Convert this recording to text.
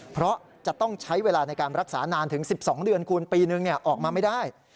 เพราะจะต้องใช้เวลาในการรักษานานถึง๑๒เดือนคูณปีนึงออกมาไม่ได้